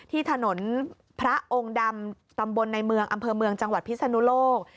ที่ถนนพระองค์ดำตำบลในเมืองอำเภอเมืองจังหวัดพิศนุโลก